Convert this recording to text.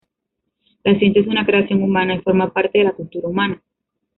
La ciencia es una creación humana, y forma parte de cultura humana.